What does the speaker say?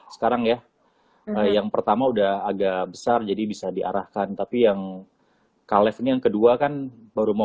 sekarang ya yang pertama udah agak besar jadi bisa diarahkan tapi yang kalef ini yang kedua kan baru mau